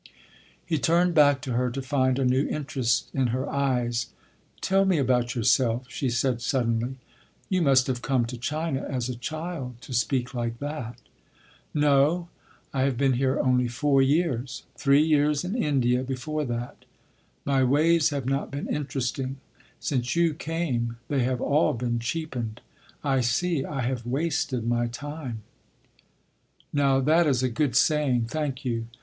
He turned back to her to find a new interest in her eyes. "Tell me about yourself," she said suddenly. "You must have come to China as a child to speak like that." "No, I have been here only four years—three years in India before that. My ways have not been interesting. Since you came they have all been cheapened. I see I have wasted my time—" "Now that is a good saying. Thank you.